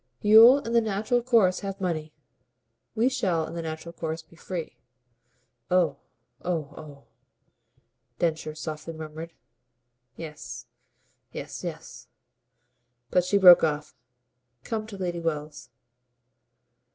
"You'll in the natural course have money. We shall in the natural course be free." "Oh, oh, oh!" Densher softly murmured. "Yes, yes, yes." But she broke off. "Come to Lady Wells."